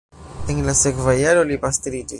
En la sekva jaro li pastriĝis.